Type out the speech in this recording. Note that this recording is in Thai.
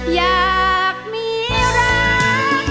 อยากมีรัก